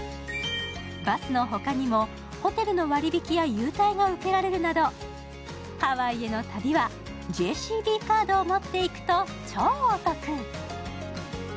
バスのほかにも、ホテルの割引きや優待が受けられるなどハワイへの旅はＪＣＢカードを持っていくと超お得。